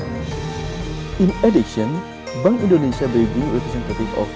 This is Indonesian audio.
selain itu pembangunan pembangunan indonesia juga akan memiliki peran penting